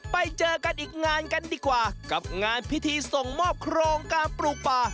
ไปเจอกันอีกงานกันดีกว่ากับงานพิธีส่งมอบโครงการปลูกป่า